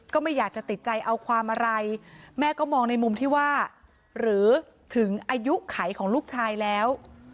ก็ไม่อยากจะติดใจเอาความอะไรแม่ก็มองในมุมที่ว่าหรือถึงอายุไขของลูกชายแล้ว